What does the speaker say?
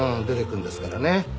出てくるんですからね。